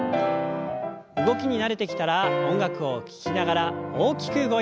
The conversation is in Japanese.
動きに慣れてきたら音楽を聞きながら大きく動いてください。